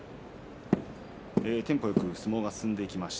テンポよく相撲が進んでいます。